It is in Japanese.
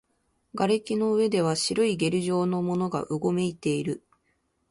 瓦礫の上では白いゲル状のものがうごめいている